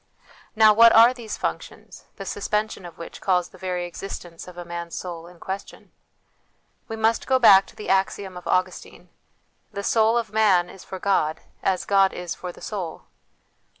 Now, what are these func tions, the suspension of which calls the very existence of a man's soul in question ? We must go back to the axiom of Augustine " The soul of man is for God, as God is for the soul."